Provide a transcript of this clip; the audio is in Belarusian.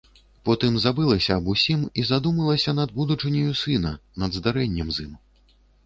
Потым забылася аб усім і задумалася над будучыняю сына, над здарэннем з ім.